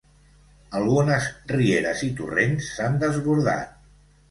Algunes rieres i torrents s’han desbordat.